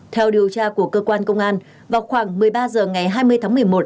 theo điều tra của cơ quan công an vào khoảng một mươi ba h ngày hai mươi tháng một mươi một